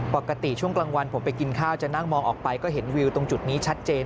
ปกติช่วงกลางวันผมไปกินข้าวจะนั่งมองออกไปก็เห็นวิวตรงจุดนี้ชัดเจน